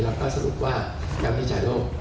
เราก็สรุปว่าการวินิจฉายโรค